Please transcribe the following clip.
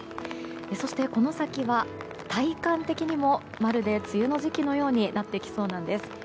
そして、この先は体感的にもまるで梅雨の時期のようになってきそうなんです。